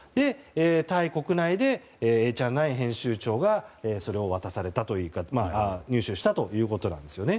タイ国内でエーチャンナイン編集長がそれを渡されたというか入手したということなんですね。